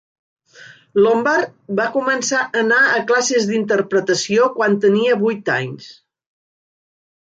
Lombard va començar a anar a classes d'interpretació quan tenia vuit anys.